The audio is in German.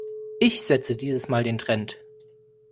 Ich setze dieses mal den Trend.